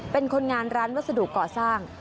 เป็นคนงานร้านวัสดุก่อสร้าง